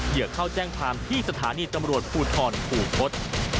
เดี๋ยวเข้าแจ้งภารณ์ที่สถานีตำรวจภูทรภูทฤษ